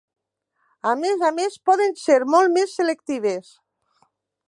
A més a més poden ser molt més selectives.